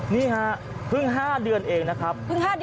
นี่ฮะเพิ่ง๕เดือนเองนะครับ